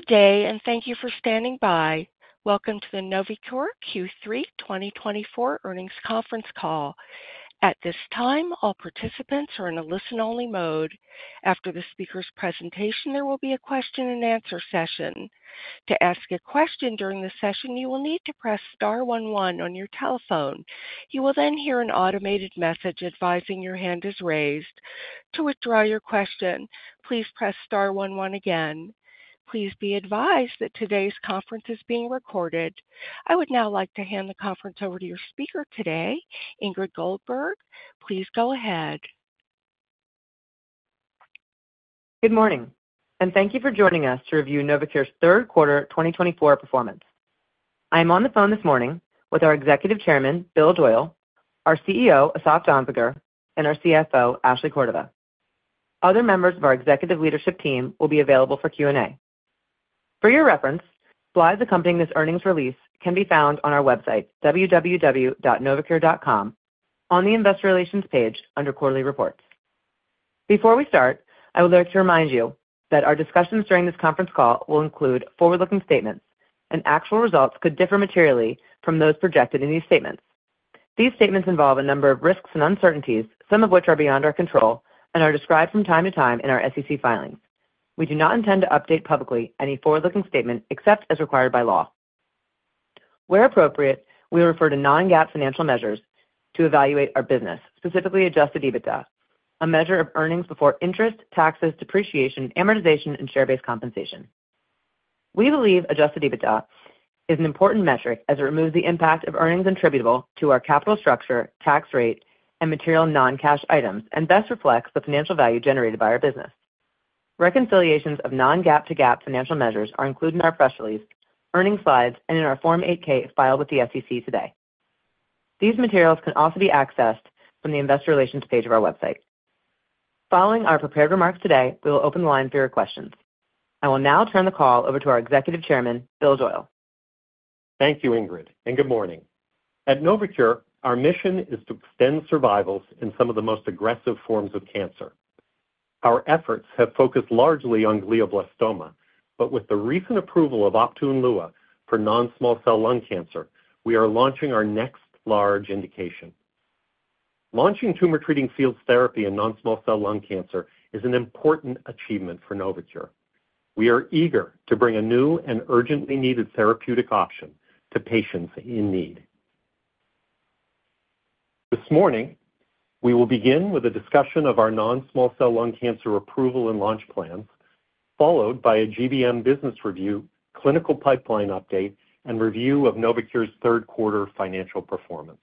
Good day, and thank you for standing by. Welcome to the NovoCure Q3 2024 Earnings Conference Call. At this time, all participants are in a listen-only mode. After the speaker's presentation, there will be a question-and-answer session. To ask a question during the session, you will need to press star one one on your telephone. You will then hear an automated message advising your hand is raised. To withdraw your question, please press star one one again. Please be advised that today's conference is being recorded. I would now like to hand the conference over to your speaker today, Ingrid Goldberg. Please go ahead. Good morning, and thank you for joining us to review NovoCure's third quarter 2024 performance. I am on the phone this morning with our Executive Chairman, Bill Doyle, our CEO, Asaf Danziger, and our CFO, Ashley Cordova. Other members of our executive leadership team will be available for Q&A. For your reference, slides accompanying this earnings release can be found on our website, www.novocure.com, on the Investor Relations page under quarterly reports. Before we start, I would like to remind you that our discussions during this conference call will include forward-looking statements, and actual results could differ materially from those projected in these statements. These statements involve a number of risks and uncertainties, some of which are beyond our control and are described from time to time in our SEC filings. We do not intend to update publicly any forward-looking statement except as required by law. Where appropriate, we refer to non-GAAP financial measures to evaluate our business, specifically Adjusted EBITDA, a measure of earnings before interest, taxes, depreciation, amortization, and share-based compensation. We believe Adjusted EBITDA is an important metric as it removes the impact of earnings attributable to our capital structure, tax rate, and material non-cash items, and best reflects the financial value generated by our business. Reconciliations of non-GAAP to GAAP financial measures are included in our press release, earnings slides, and in our Form 8-K filed with the SEC today. These materials can also be accessed from the Investor Relations page of our website. Following our prepared remarks today, we will open the line for your questions. I will now turn the call over to our Executive Chairman, Bill Doyle. Thank you, Ingrid, and good morning. At NovoCure, our mission is to extend survivals in some of the most aggressive forms of cancer. Our efforts have focused largely on glioblastoma, but with the recent approval of Optune Lua for non-small cell lung cancer, we are launching our next large indication. Launching tumor-treating fields therapy in non-small cell lung cancer is an important achievement for NovoCure. We are eager to bring a new and urgently needed therapeutic option to patients in need. This morning, we will begin with a discussion of our non-small cell lung cancer approval and launch plans, followed by a GBM business review, clinical pipeline update, and review of NovoCure's third quarter financial performance.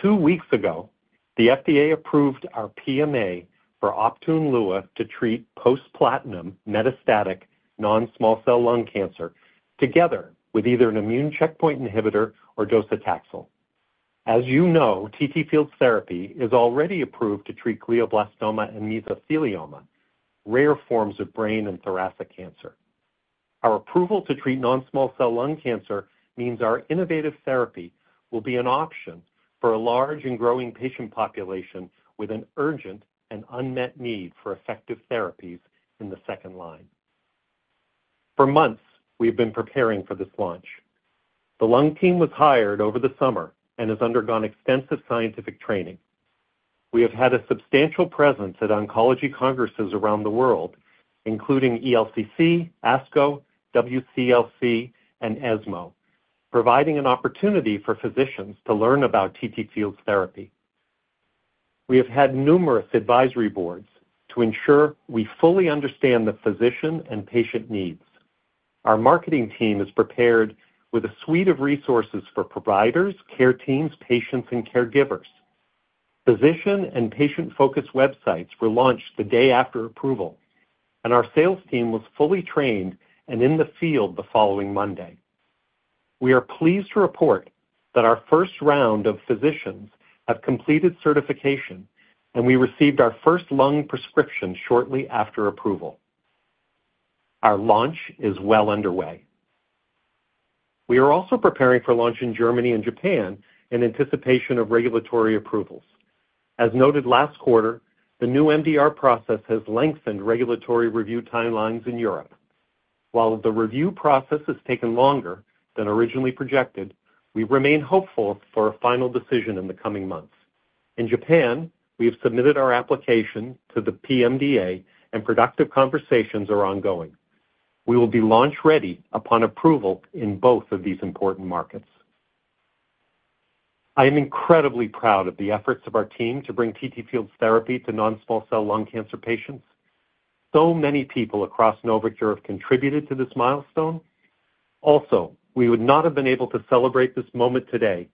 Two weeks ago, the FDA approved our PMA for Optune Lua to treat post-platinum metastatic non-small cell lung cancer together with either an immune checkpoint inhibitor or docetaxel. As you know, TTFields therapy is already approved to treat glioblastoma and mesothelioma, rare forms of brain and thoracic cancer. Our approval to treat non-small cell lung cancer means our innovative therapy will be an option for a large and growing patient population with an urgent and unmet need for effective therapies in the second line. For months, we have been preparing for this launch. The lung team was hired over the summer and has undergone extensive scientific training. We have had a substantial presence at oncology congresses around the world, including ELCC, ASCO, WCLC, and ESMO, providing an opportunity for physicians to learn about TTFields therapy. We have had numerous advisory boards to ensure we fully understand the physician and patient needs. Our marketing team is prepared with a suite of resources for providers, care teams, patients, and caregivers. Physician and patient-focused websites were launched the day after approval, and our sales team was fully trained and in the field the following Monday. We are pleased to report that our first round of physicians have completed certification, and we received our first lung prescription shortly after approval. Our launch is well underway. We are also preparing for launch in Germany and Japan in anticipation of regulatory approvals. As noted last quarter, the new MDR process has lengthened regulatory review timelines in Europe. While the review process has taken longer than originally projected, we remain hopeful for a final decision in the coming months. In Japan, we have submitted our application to the PMDA, and productive conversations are ongoing. We will be launch-ready upon approval in both of these important markets. I am incredibly proud of the efforts of our team to bring TTFields therapy to non-small cell lung cancer patients. So many people across NovoCure have contributed to this milestone. Also, we would not have been able to celebrate this moment today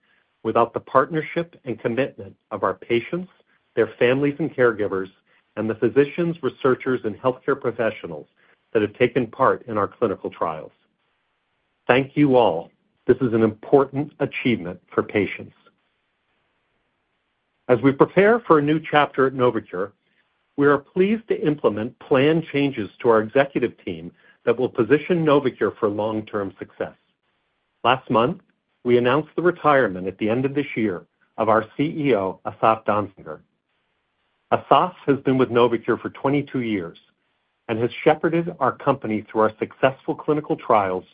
without the partnership and commitment of our patients, their families and caregivers, and the physicians, researchers, and healthcare professionals that have taken part in our clinical trials. Thank you all. This is an important achievement for patients. As we prepare for a new chapter at NovoCure, we are pleased to implement planned changes to our executive team that will position NovoCure for long-term success. Last month, we announced the retirement at the end of this year of our CEO, Asaf Danziger. Asaf has been with NovoCure for 22 years and has shepherded our company through our successful clinical trials,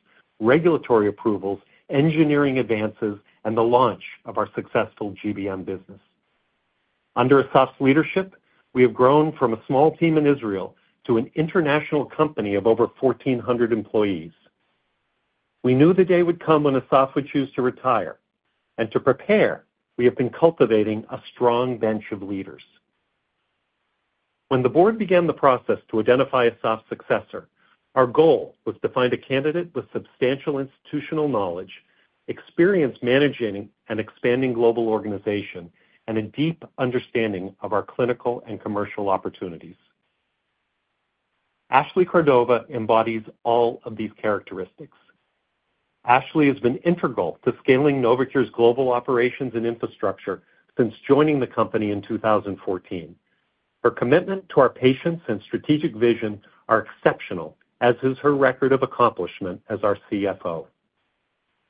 regulatory approvals, engineering advances, and the launch of our successful GBM business. Under Asaf's leadership, we have grown from a small team in Israel to an international company of over 1,400 employees. We knew the day would come when Asaf would choose to retire, and to prepare, we have been cultivating a strong bench of leaders. When the board began the process to identify Asaf's successor, our goal was to find a candidate with substantial institutional knowledge, experience managing and expanding global organization, and a deep understanding of our clinical and commercial opportunities. Ashley Cordova embodies all of these characteristics. Ashley has been integral to scaling NovoCure's global operations and infrastructure since joining the company in 2014. Her commitment to our patients and strategic vision are exceptional, as is her record of accomplishment as our CFO.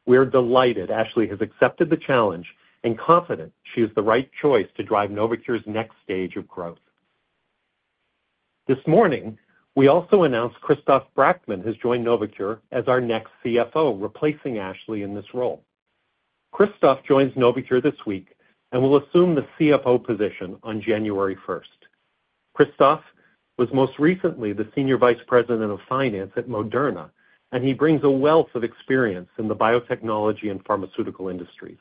We are delighted Ashley has accepted the challenge and confident she is the right choice to drive NovoCure's next stage of growth. This morning, we also announced Christoph Brackmann has joined NovoCure as our next CFO, replacing Ashley in this role. Christoph joins NovoCure this week and will assume the CFO position on January 1st. Christoph was most recently the Senior Vice President of Finance at Moderna, and he brings a wealth of experience in the biotechnology and pharmaceutical industries.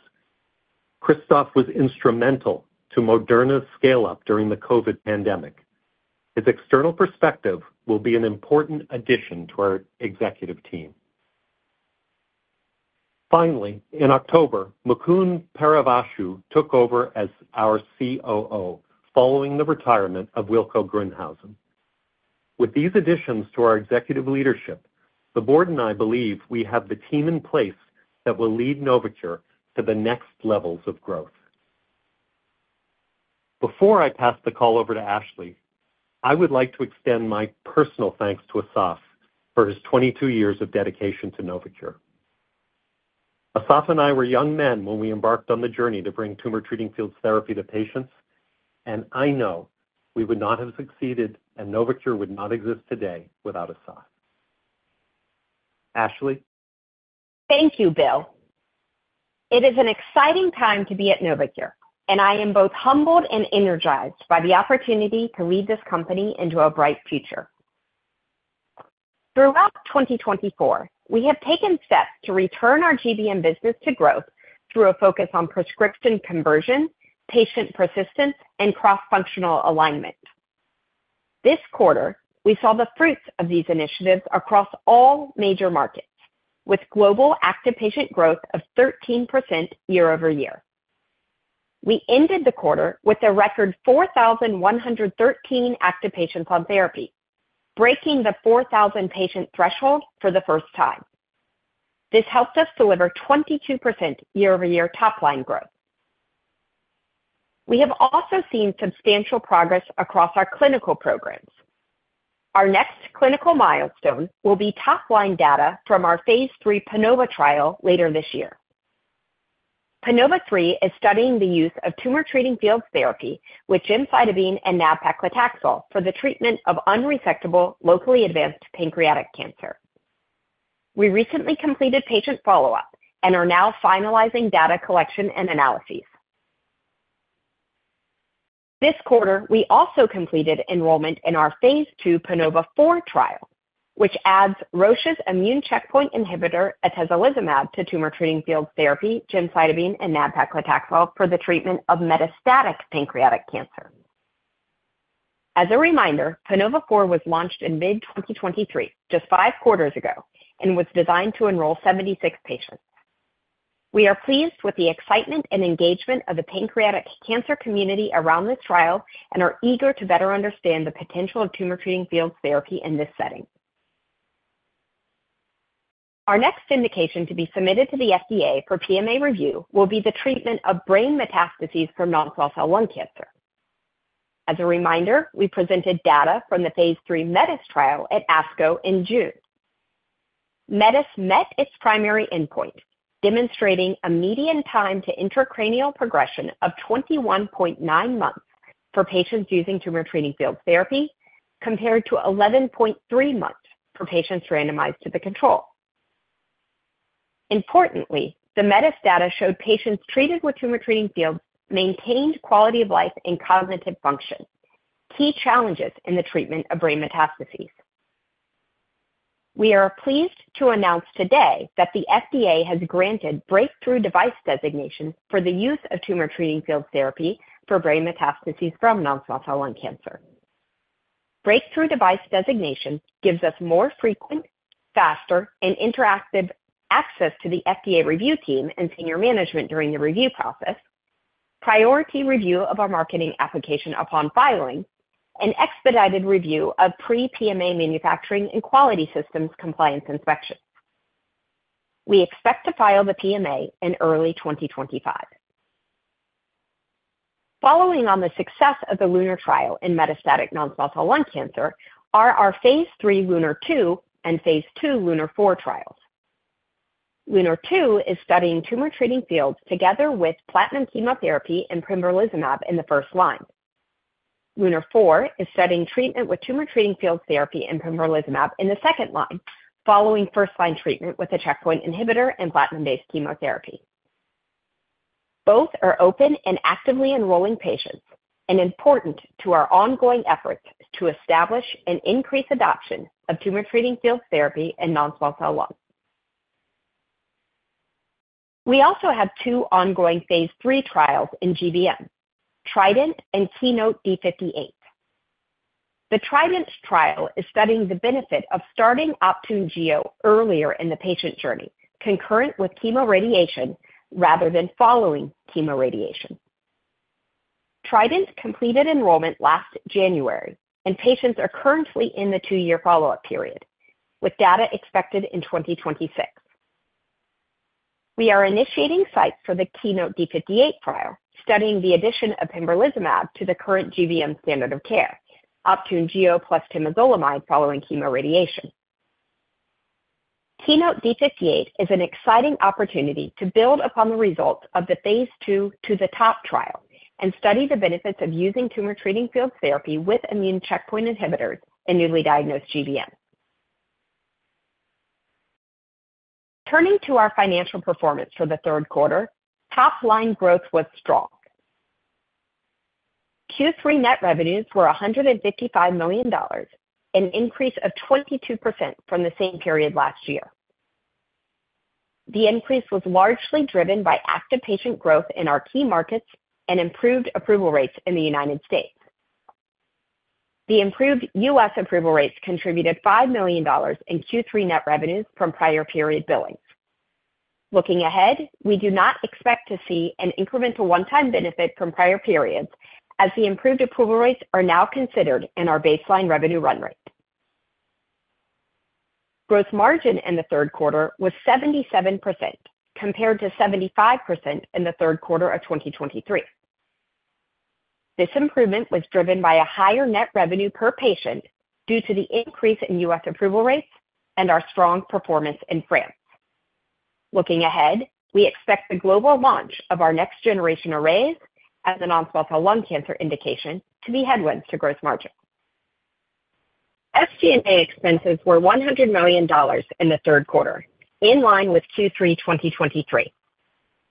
Christoph was instrumental to Moderna's scale-up during the COVID pandemic. His external perspective will be an important addition to our executive team. Finally, in October, Mukund Paravasthu took over as our COO following the retirement of Wilco Groenhuysen. With these additions to our executive leadership, the board and I believe we have the team in place that will lead NovoCure to the next levels of growth. Before I pass the call over to Ashley, I would like to extend my personal thanks to Asaf for his 22 years of dedication to NovoCure. Asaf and I were young men when we embarked on the journey to bring Tumor Treating Fields therapy to patients, and I know we would not have succeeded, and NovoCure would not exist today without Asaf. Ashley. Thank you, Bill. It is an exciting time to be at NovoCure, and I am both humbled and energized by the opportunity to lead this company into a bright future. Throughout 2024, we have taken steps to return our GBM business to growth through a focus on prescription conversion, patient persistence, and cross-functional alignment. This quarter, we saw the fruits of these initiatives across all major markets, with global active patient growth of 13% year over year. We ended the quarter with a record 4,113 active patients on therapy, breaking the 4,000 patient threshold for the first time. This helped us deliver 22% year-over-year top-line growth. We have also seen substantial progress across our clinical programs. Our next clinical milestone will be top-line data from our Phase III PANOVA trial later this year. PANOVA-3 is studying the use of Tumor Treating Fields therapy with gemcitabine and nab-paclitaxel for the treatment of unresectable, locally advanced pancreatic cancer. We recently completed patient follow-up and are now finalizing data collection and analyses. This quarter, we also completed enrollment in our Phase II PANOVA-4 trial, which adds Roche's immune checkpoint inhibitor atezolizumab to Tumor Treating Fields therapy, gemcitabine, and nab-paclitaxel for the treatment of metastatic pancreatic cancer. As a reminder, PANOVA-4 was launched in mid-2023, just five quarters ago, and was designed to enroll 76 patients. We are pleased with the excitement and engagement of the pancreatic cancer community around this trial and are eager to better understand the potential of Tumor Treating Fields therapy in this setting. Our next indication to be submitted to the FDA for PMA review will be the treatment of brain metastases from non-small cell lung cancer. As a reminder, we presented data from the Phase III METIS trial at ASCO in June. METIS met its primary endpoint, demonstrating a median time to intracranial progression of 21.9 months for patients using Tumor Treating Fields therapy, compared to 11.3 months for patients randomized to the control. Importantly, the METIS data showed patients treated with Tumor Treating Fields maintained quality of life and cognitive function, key challenges in the treatment of brain metastases. We are pleased to announce today that the FDA has granted breakthrough device designation for the use of Tumor Treating Fields therapy for brain metastases from non-small cell lung cancer. Breakthrough device designation gives us more frequent, faster, and interactive access to the FDA review team and senior management during the review process, priority review of our marketing application upon filing, and expedited review of pre-PMA manufacturing and quality systems compliance inspections. We expect to file the PMA in early 2025. Following on the success of the LUNAR trial in metastatic non-small cell lung cancer are our Phase III LUNAR-2 and Phase II LUNAR-4 trials. LUNAR-2 is studying tumor-treating fields together with platinum chemotherapy and pembrolizumab in the first line. LUNAR-4 is studying treatment with tumor-treating fields therapy and pembrolizumab in the second line, following first-line treatment with a checkpoint inhibitor and platinum-based chemotherapy. Both are open and actively enrolling patients and important to our ongoing efforts to establish and increase adoption of tumor-treating fields therapy in non-small cell lung cancer. We also have two ongoing Phase III trials in GBM, TRIDENT and KEYNOTE-D58. The TRIDENT trial is studying the benefit of starting Optune Gio earlier in the patient journey, concurrent with chemoradiation rather than following chemoradiation. TRIDENT completed enrollment last January, and patients are currently in the two-year follow-up period, with data expected in 2026. We are initiating sites for the KEYNOTE-D58 trial, studying the addition of pembrolizumab to the current GBM standard of care, Optune Gio plus temozolomide following chemoradiation. KEYNOTE-D58 is an exciting opportunity to build upon the results of the phase 2-THE-TOP trial and study the benefits of using tumor-treating fields therapy with immune checkpoint inhibitors in newly diagnosed GBM. Turning to our financial performance for the third quarter, top-line growth was strong. Q3 net revenues were $155 million, an increase of 22% from the same period last year. The increase was largely driven by active patient growth in our key markets and improved approval rates in the United States. The improved U.S. approval rates contributed $5 million in Q3 net revenues from prior period billings. Looking ahead, we do not expect to see an incremental one-time benefit from prior periods, as the improved approval rates are now considered in our baseline revenue run rate. Gross margin in the third quarter was 77%, compared to 75% in the third quarter of 2023. This improvement was driven by a higher net revenue per patient due to the increase in U.S. approval rates and our strong performance in France. Looking ahead, we expect the global launch of our next-generation arrays as a non-small cell lung cancer indication to be headwinds to gross margin. SG&A expenses were $100 million in the third quarter, in line with Q3 2023.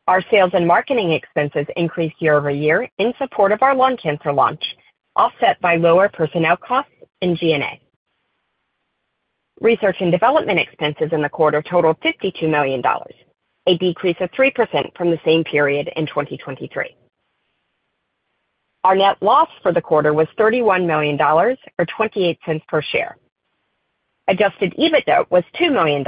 Our sales and marketing expenses increased year-over-year in support of our lung cancer launch, offset by lower personnel costs in G&A. Research and development expenses in the quarter totaled $52 million, a decrease of 3% from the same period in 2023. Our net loss for the quarter was $31 million, or $0.28 per share. Adjusted EBITDA was $2 million,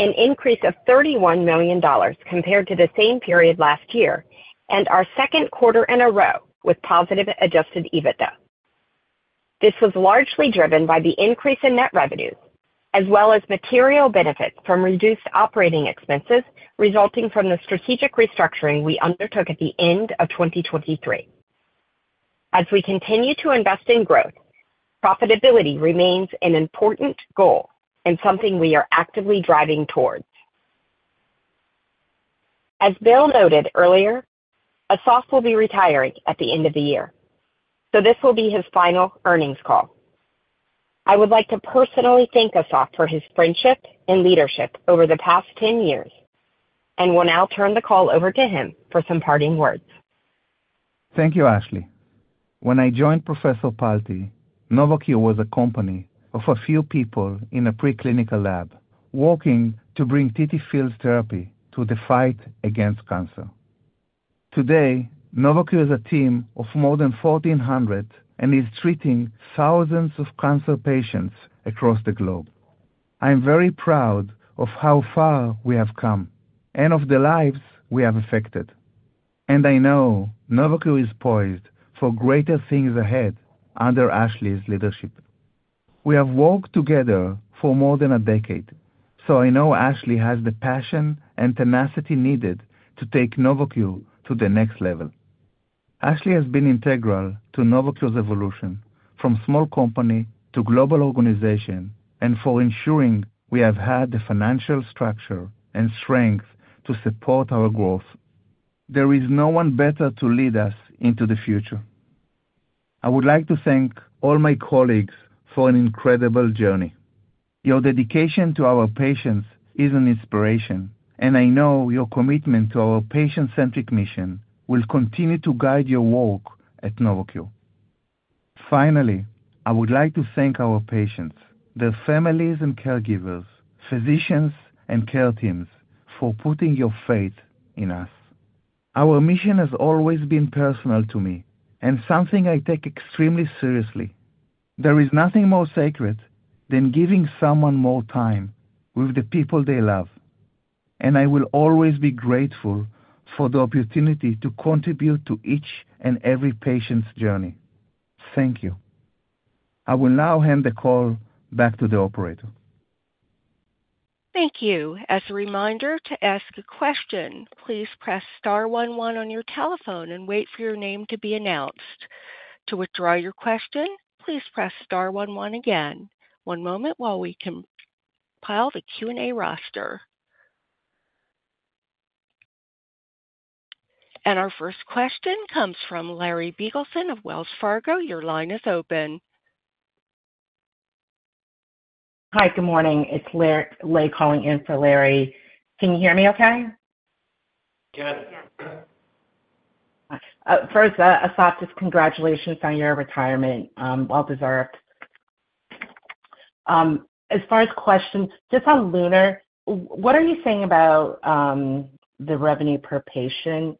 an increase of $31 million compared to the same period last year, and our second quarter in a row with positive Adjusted EBITDA. This was largely driven by the increase in net revenues, as well as material benefits from reduced operating expenses resulting from the strategic restructuring we undertook at the end of 2023. As we continue to invest in growth, profitability remains an important goal and something we are actively driving towards. As Bill noted earlier, Asaf will be retiring at the end of the year, so this will be his final earnings call. I would like to personally thank Asaf for his friendship and leadership over the past 10 years, and will now turn the call over to him for some parting words. Thank you, Ashley. When I joined Professor Palti, NovoCure was a company of a few people in a preclinical lab working to bring TTFields therapy to the fight against cancer. Today, NovoCure is a team of more than 1,400 and is treating thousands of cancer patients across the globe. I'm very proud of how far we have come and of the lives we have affected. And I know NovoCure is poised for greater things ahead under Ashley's leadership. We have worked together for more than a decade, so I know Ashley has the passion and tenacity needed to take NovoCure to the next level. Ashley has been integral to NovoCure's evolution from small company to global organization and for ensuring we have had the financial structure and strength to support our growth. There is no one better to lead us into the future. I would like to thank all my colleagues for an incredible journey. Your dedication to our patients is an inspiration, and I know your commitment to our patient-centric mission will continue to guide your walk at NovoCure. Finally, I would like to thank our patients, their families and caregivers, physicians and care teams for putting your faith in us. Our mission has always been personal to me and something I take extremely seriously. There is nothing more sacred than giving someone more time with the people they love, and I will always be grateful for the opportunity to contribute to each and every patient's journey. Thank you. I will now hand the call back to the operator. Thank you. As a reminder to ask a question, please press star one one on your telephone and wait for your name to be announced. To withdraw your question, please press star one one again. One moment while we compile the Q&A roster, and our first question comes from Larry Biegelsen of Wells Fargo. Your line is open. Hi, good morning. It's Lei calling in for Larry. Can you hear me okay? Good. First, Asaf, just congratulations on your retirement. Well-deserved. As far as questions, just on LUNAR, what are you seeing about the revenue per patient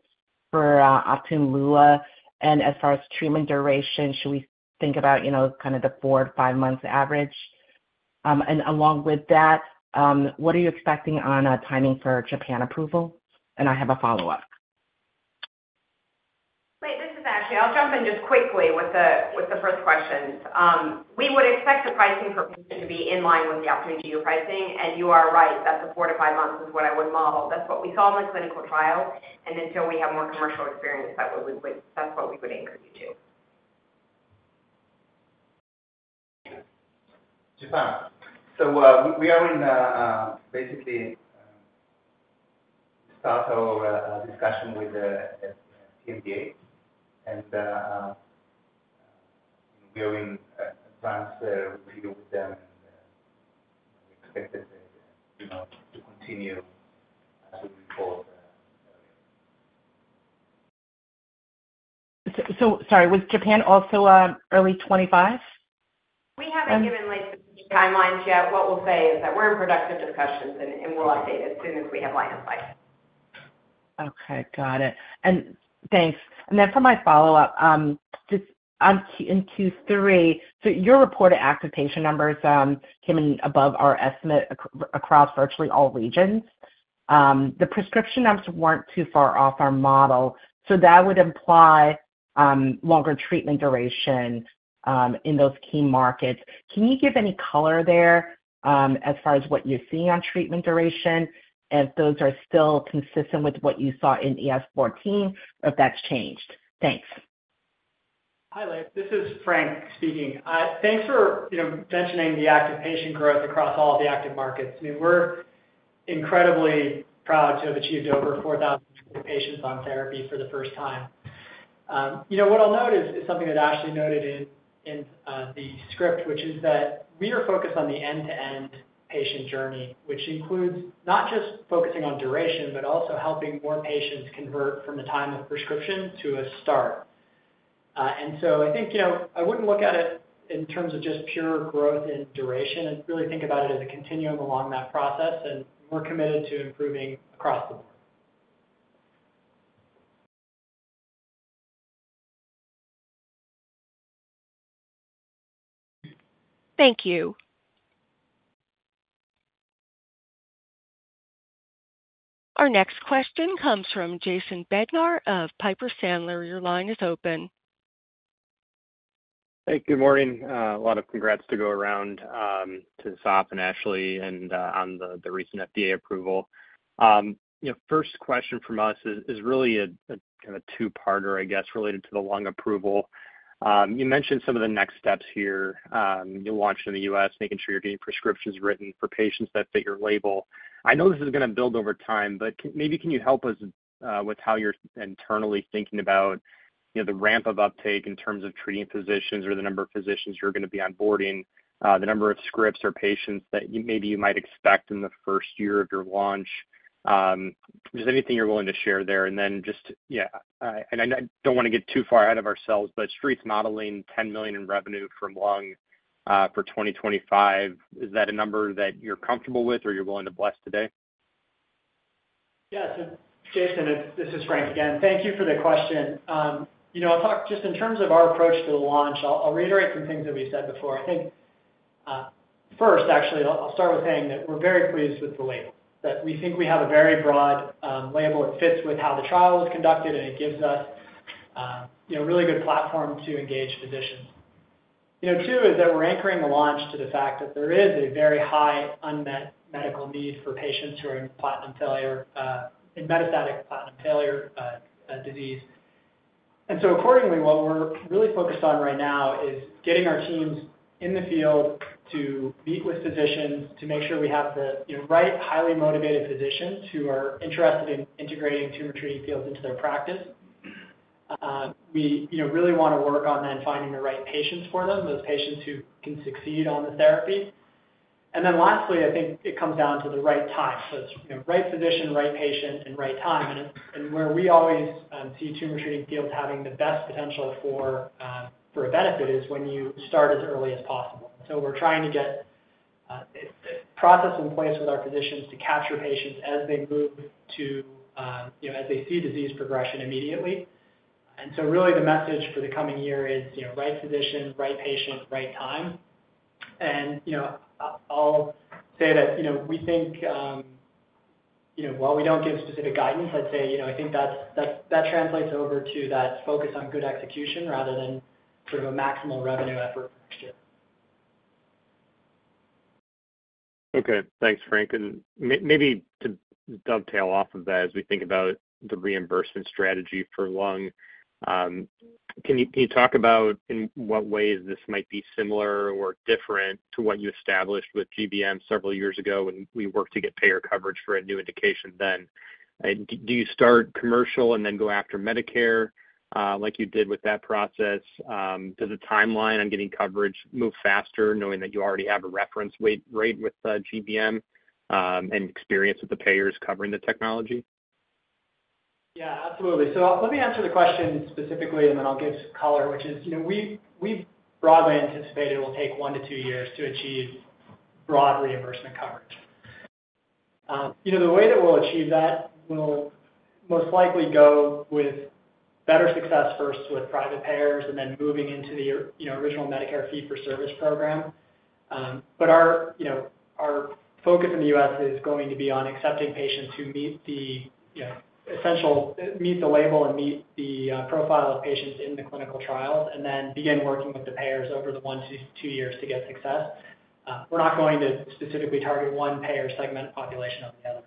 for Optune Lua and as far as treatment duration? Should we think about kind of the four to five months average? And along with that, what are you expecting on timing for Japan approval? And I have a follow-up. Wait, this is Ashley. I'll jump in just quickly with the first questions. We would expect the pricing for patients to be in line with the Optune Gio pricing, and you are right. That's the four-to-five months is what I would model. That's what we saw in the clinical trial, and until we have more commercial experience, that's what we would anchor you to. Okay. Just so we are basically starting our discussion with the PMDA, and we are in advanced review with them. We expect them to continue as we report. Sorry, was Japan also early 2025? We haven't given the timelines yet. What we'll say is that we're in productive discussions, and we'll update as soon as we have line of sight. Okay. Got it. And thanks. And then for my follow-up, just in Q3, so your reported active patient numbers came in above our estimate across virtually all regions. The prescription numbers weren't too far off our model, so that would imply longer treatment duration in those key markets. Can you give any color there as far as what you're seeing on treatment duration if those are still consistent with what you saw in EF-14, or if that's changed? Thanks. Hi, Larry. This is Frank speaking. Thanks for mentioning the active patient growth across all the active markets. I mean, we're incredibly proud to have achieved over 4,000 patients on therapy for the first time. What I'll note is something that Ashley noted in the script, which is that we are focused on the end-to-end patient journey, which includes not just focusing on duration, but also helping more patients convert from the time of prescription to a start. And so I think I wouldn't look at it in terms of just pure growth and duration. I'd really think about it as a continuum along that process, and we're committed to improving across the board. Thank you. Our next question comes from Jason Bednar of Piper Sandler. Your line is open. Hey, good morning. A lot of congrats to go around to Asaf and Ashley and on the recent FDA approval. First question from us is really kind of a two-parter, I guess, related to the lung approval. You mentioned some of the next steps here. You'll launch in the U.S., making sure you're getting prescriptions written for patients that fit your label. I know this is going to build over time, but maybe can you help us with how you're internally thinking about the ramp of uptake in terms of treating physicians or the number of physicians you're going to be onboarding, the number of scripts or patients that maybe you might expect in the first year of your launch? Just anything you're willing to share there. I don't want to get too far ahead of ourselves, but the Street's modeling 10 million in revenue from lung for 2025. Is that a number that you're comfortable with or you're willing to bless today? Yeah. So Jason, this is Frank again. Thank you for the question. I'll talk just in terms of our approach to the launch. I'll reiterate some things that we've said before. I think first, actually, I'll start with saying that we're very pleased with the label, that we think we have a very broad label. It fits with how the trial was conducted, and it gives us a really good platform to engage physicians. Two is that we're anchoring the launch to the fact that there is a very high unmet medical need for patients who are in metastatic platinum failure disease. And so accordingly, what we're really focused on right now is getting our teams in the field to meet with physicians to make sure we have the right highly motivated physicians who are interested in integrating tumor treating fields into their practice. We really want to work on then finding the right patients for them, those patients who can succeed on the therapy. And then lastly, I think it comes down to the right time. So it's right physician, right patient, and right time. And where we always see Tumor Treating Fields having the best potential for a benefit is when you start as early as possible. So we're trying to get a process in place with our physicians to capture patients as they see disease progression immediately. And so really the message for the coming year is right physician, right patient, right time. And I'll say that we think while we don't give specific guidance, I'd say I think that translates over to that focus on good execution rather than sort of a maximal revenue effort next year. Okay. Thanks, Frank. And maybe to dovetail off of that as we think about the reimbursement strategy for lung, can you talk about in what ways this might be similar or different to what you established with GBM several years ago when we worked to get payer coverage for a new indication then? Do you start commercial and then go after Medicare like you did with that process? Does the timeline on getting coverage move faster knowing that you already have a reference rate with GBM and experience with the payers covering the technology? Yeah, absolutely, so let me answer the question specifically, and then I'll give color, which is we've broadly anticipated it will take one to two years to achieve broad reimbursement coverage. The way that we'll achieve that will most likely go with better success first with private payers, and then moving into the original Medicare fee-for-service program, but our focus in the U.S. is going to be on accepting patients who meet the essentials, meet the label, and meet the profile of patients in the clinical trials and then begin working with the payers over the one to two years to get success. We're not going to specifically target one payer segment population over the other.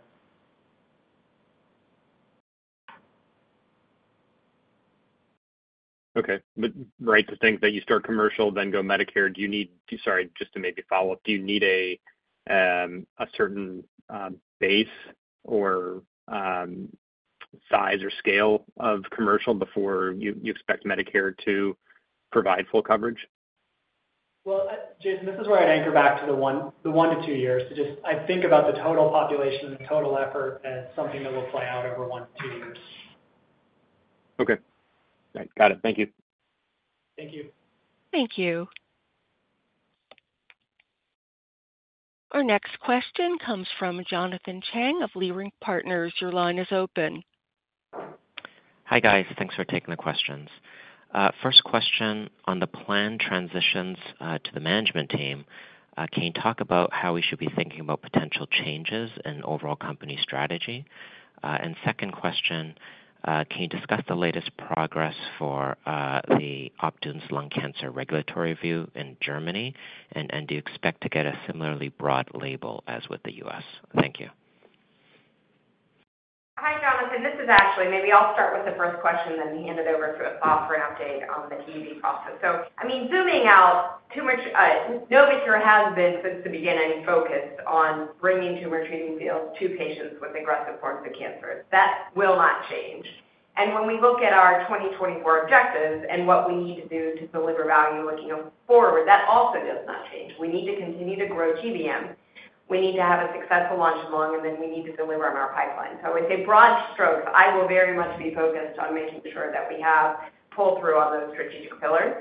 Okay. But right, to think that you start commercial, then go Medicare, do you need, sorry, just to maybe follow up, do you need a certain base or size or scale of commercial before you expect Medicare to provide full coverage? Jason, this is where I'd anchor back to the one-to-two years. Just, I think about the total population and the total effort as something that will play out over one-to-two years. Okay. Got it. Thank you. Thank you. Thank you. Our next question comes from Jonathan Chang of Leerink Partners. Your line is open. Hi guys. Thanks for taking the questions. First question on the planned transitions to the management team. Can you talk about how we should be thinking about potential changes in overall company strategy? And second question, can you discuss the latest progress for the Optune's lung cancer regulatory review in Germany? And do you expect to get a similarly broad label as with the U.S.? Thank you. Hi, Jonathan. This is Ashley. Maybe I'll start with the first question and then hand it over to Asaf for an update on the TT process. So I mean, zooming out, NovoCure has been since the beginning focused on bringing Tumor Treating Fields to patients with aggressive forms of cancer. That will not change. And when we look at our 2024 objectives and what we need to do to deliver value looking forward, that also does not change. We need to continue to grow GBM. We need to have a successful launch of lung, and then we need to deliver on our pipeline. So I would say broad strokes, I will very much be focused on making sure that we have pull-through on those strategic pillars.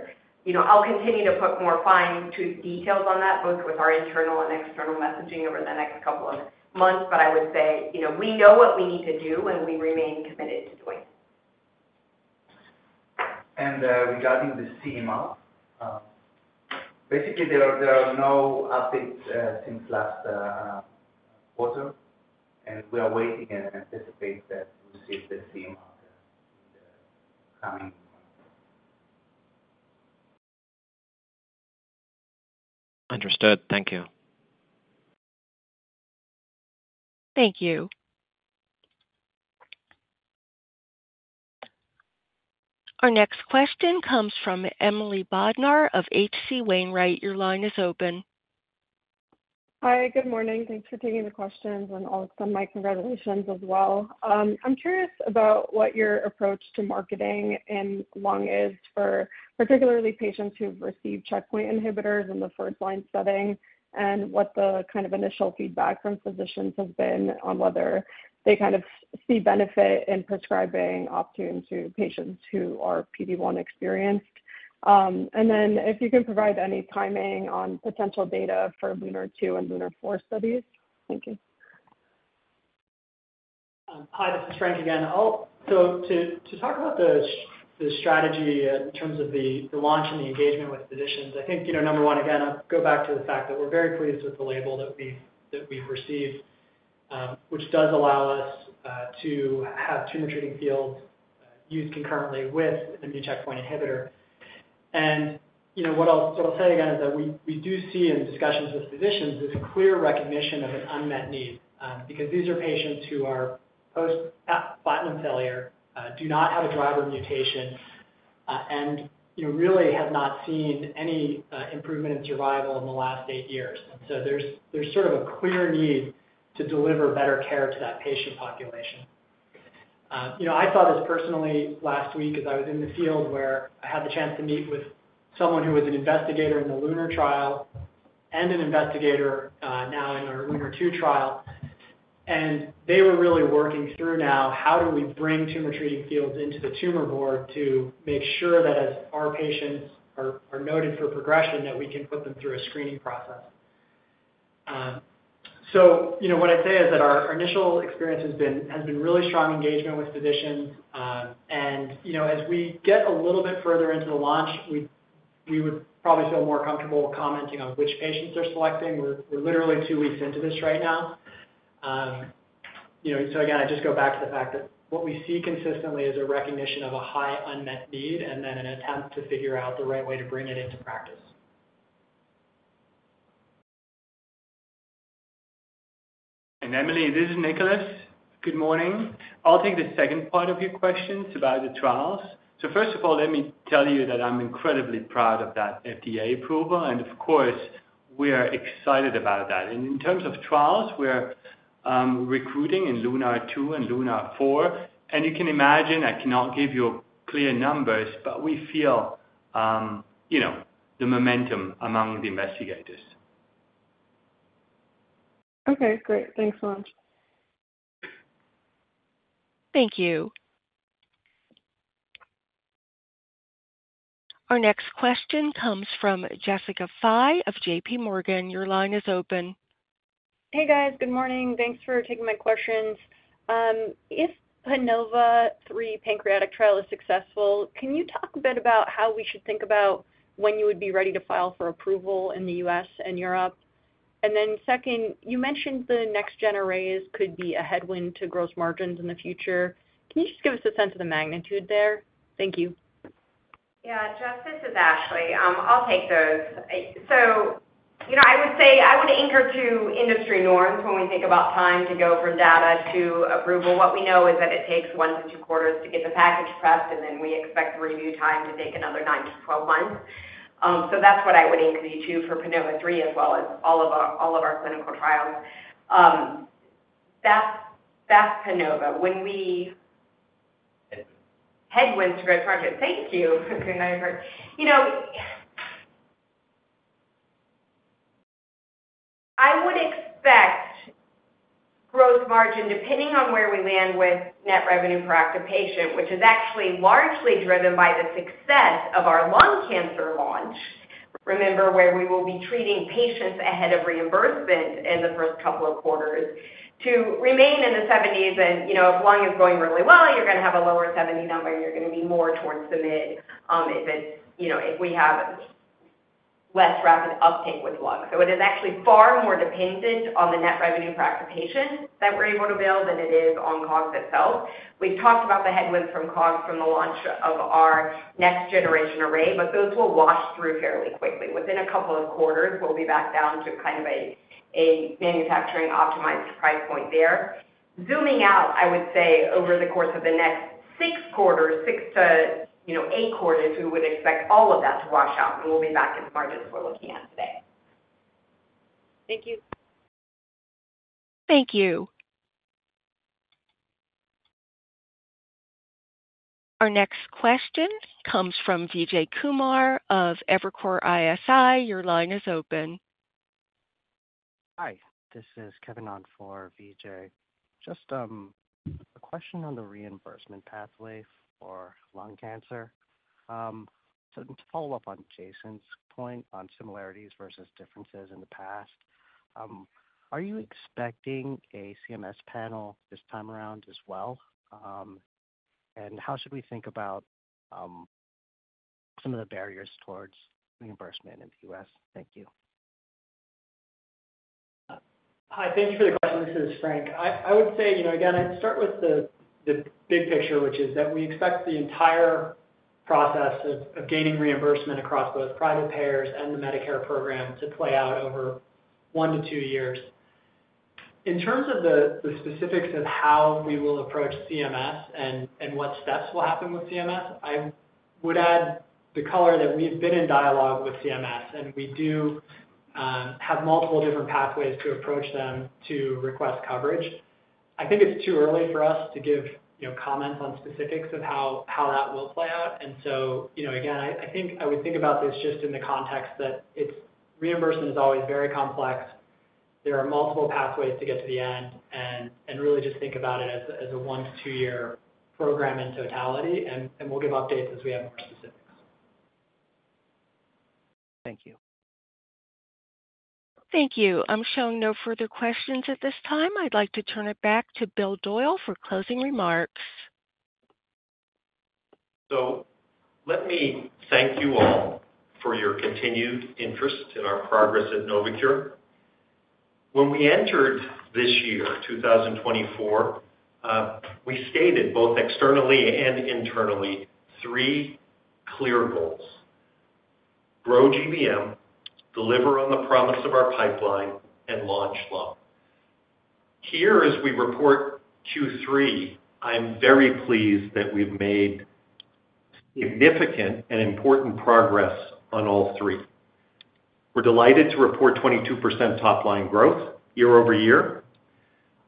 I'll continue to put more finer details on that, both with our internal and external messaging over the next couple of months, but I would say we know what we need to do, and we remain committed to doing. Regarding the [CMR], basically, there are no updates since last quarter, and we are waiting and anticipating that we will see the [CMR] in the coming months. Understood. Thank you. Thank you. Our next question comes from Emily Bodnar of H.C. Wainwright & Co. Your line is open. Hi, good morning. Thanks for taking the questions. And also, my congratulations as well. I'm curious about what your approach to marketing in lung is for particularly patients who've received checkpoint inhibitors in the first-line setting and what the kind of initial feedback from physicians has been on whether they kind of see benefit in prescribing Optune to patients who are PD-1 experienced. And then if you can provide any timing on potential data for LUNAR-2 and LUNAR-4 studies. Thank you. Hi, this is Frank again. So to talk about the strategy in terms of the launch and the engagement with physicians, I think number one, again, I'll go back to the fact that we're very pleased with the label that we've received, which does allow us to have tumor treating fields used concurrently with a new checkpoint inhibitor. And what I'll say again is that we do see in discussions with physicians this clear recognition of an unmet need because these are patients who are post-platinum failure, do not have a driver mutation, and really have not seen any improvement in survival in the last eight years. And so there's sort of a clear need to deliver better care to that patient population. I saw this personally last week as I was in the field where I had the chance to meet with someone who was an investigator in the LUNAR trial and an investigator now in our LUNAR-2 trial. And they were really working through now how do we bring tumor treating fields into the tumor board to make sure that as our patients are noted for progression, that we can put them through a screening process. So what I'd say is that our initial experience has been really strong engagement with physicians. And as we get a little bit further into the launch, we would probably feel more comfortable commenting on which patients they're selecting. We're literally two weeks into this right now. So again, I just go back to the fact that what we see consistently is a recognition of a high unmet need and then an attempt to figure out the right way to bring it into practice. Emily, this is Nicolas. Good morning. I'll take the second part of your questions about the trials. First of all, let me tell you that I'm incredibly proud of that FDA approval. Of course, we are excited about that. In terms of trials, we're recruiting in LUNAR-2 and LUNAR-4. You can imagine I cannot give you clear numbers, but we feel the momentum among the investigators. Okay. Great. Thanks so much. Thank you. Our next question comes from Jessica Fye of JPMorgan. Your line is open. Hey, guys. Good morning. Thanks for taking my questions. If PANOVA-3 pancreatic trial is successful, can you talk a bit about how we should think about when you would be ready to file for approval in the U.S. and Europe? And then second, you mentioned the next-gen arrays could be a headwind to gross margins in the future. Can you just give us a sense of the magnitude there? Thank you. Yeah. Jess, this is Ashley. I'll take those. So I would say I would anchor to industry norms when we think about time to go from data to approval. What we know is that it takes one to two quarters to get the package pressed, and then we expect the review time to take another 9-12 months. So that's what I would anchor you to for PANOVA-3 as well as all of our clinical trials. That's PANOVA. When we. Headwind. Headwinds to gross margins. Thank you. I would expect gross margin, depending on where we land with net revenue per active patient, which is actually largely driven by the success of our lung cancer launch. Remember, we will be treating patients ahead of reimbursement in the first couple of quarters to remain in the 70s, and if lung is going really well, you're going to have a lower 70 number, and you're going to be more towards the mid if we have less rapid uptake with lung, so it is actually far more dependent on the net revenue per active patient that we're able to build than it is on COGS itself. We've talked about the headwinds from COGS from the launch of our next-generation array, but those will wash through fairly quickly. Within a couple of quarters, we'll be back down to kind of a manufacturing-optimized price point there. Zooming out, I would say over the course of the next six quarters, six to eight quarters, we would expect all of that to wash out, and we'll be back at the margins we're looking at today. Thank you. Thank you. Our next question comes from Vijay Kumar of Evercore ISI. Your line is open. Hi. This is Kevin on for Vijay. Just a question on the reimbursement pathway for lung cancer. So to follow up on Jason's point on similarities versus differences in the past, are you expecting a CMS panel this time around as well? And how should we think about some of the barriers towards reimbursement in the U.S.? Thank you. Hi. Thank you for the question. This is Frank. I would say, again, I'd start with the big picture, which is that we expect the entire process of gaining reimbursement across both private payers and the Medicare program to play out over one to two years. In terms of the specifics of how we will approach CMS and what steps will happen with CMS, I would add the color that we've been in dialogue with CMS, and we do have multiple different pathways to approach them to request coverage. I think it's too early for us to give comments on specifics of how that will play out, and so again, I think I would think about this just in the context that reimbursement is always very complex. There are multiple pathways to get to the end, and really just think about it as a one to two-year program in totality. We'll give updates as we have more specifics. Thank you. Thank you. I'm showing no further questions at this time. I'd like to turn it back to Bill Doyle for closing remarks. Let me thank you all for your continued interest in our progress at NovoCure. When we entered this year, 2024, we stated both externally and internally three clear goals: grow GBM, deliver on the promise of our pipeline, and launch lung. Here, as we report Q3, I'm very pleased that we've made significant and important progress on all three. We're delighted to report 22% top-line growth year over year.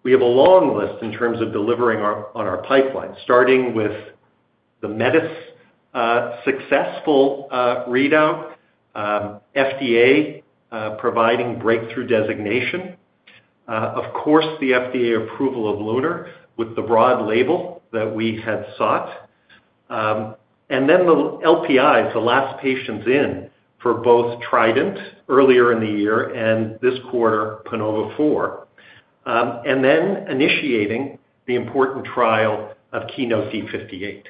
We have a long list in terms of delivering on our pipeline, starting with the METIS successful readout, FDA providing breakthrough designation, of course, the FDA approval of LUNAR with the broad label that we had sought, and then the LPIs, the last patients in for both TRIDENT earlier in the year and this quarter, PANOVA-4, and then initiating the important trial of KEYNOTE-D58.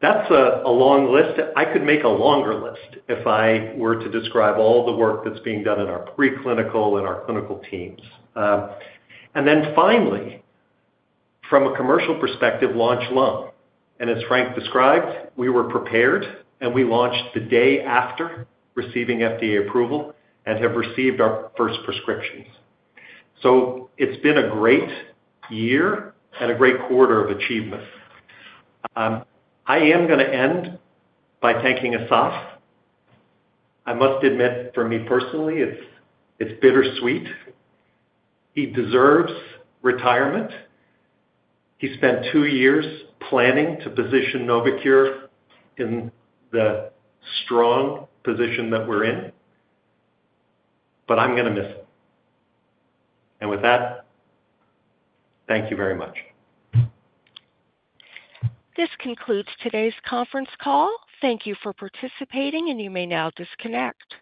That's a long list. I could make a longer list if I were to describe all the work that's being done in our preclinical and our clinical teams. And then finally, from a commercial perspective, launch lung. And as Frank described, we were prepared, and we launched the day after receiving FDA approval and have received our first prescriptions. So it's been a great year and a great quarter of achievement. I am going to end by thanking Asaf. I must admit, for me personally, it's bittersweet. He deserves retirement. He spent two years planning to position NovoCure in the strong position that we're in, but I'm going to miss him. And with that, thank you very much. This concludes today's conference call. Thank you for participating, and you may now disconnect.